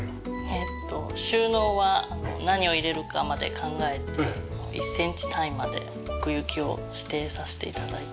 えっと収納は何を入れるかまで考えて１センチ単位まで奥行きを指定させて頂いて。